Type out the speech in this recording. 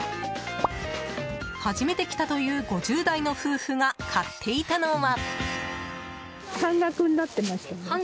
初めて来たという５０代の夫婦が買っていたのは。